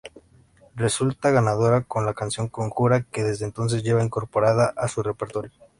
Resulta ganadora con la canción "Conjura" que desde entonces lleva incorporada a su repertorio.